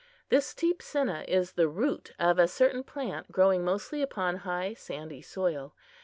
This teepsinna is the root of a certain plant growing mostly upon high sandy soil.